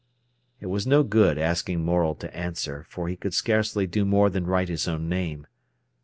It was no good asking Morel to answer, for he could scarcely do more than write his own name.